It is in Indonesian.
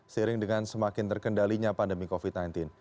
seiring dengan semakin terkendalinya pandemi covid sembilan belas